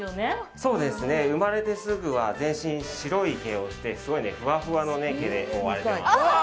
そうですね、生まれてすぐは全身白い毛をしてすごくふわふわの毛で覆われています。